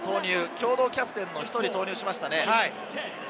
共同キャプテンの１人を投入しましたね。